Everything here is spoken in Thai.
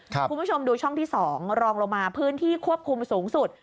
คุณผู้ชมดูช่องที่๒รองลงมาพื้นที่ควบคุมสูงสุด